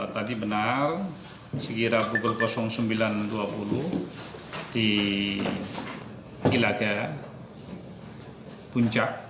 tadi benar sekira pukul sembilan dua puluh di ilaga puncak